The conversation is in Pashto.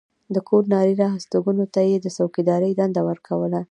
د کور نارینه هستوګنو ته یې د څوکېدارۍ دنده ورکوله.